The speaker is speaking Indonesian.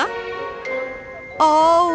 namaku peggy yang mulia